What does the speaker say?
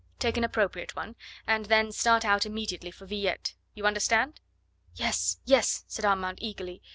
Take an appropriate one, and then start out immediately for Villette. You understand?" "Yes, yes!" said Armand eagerly.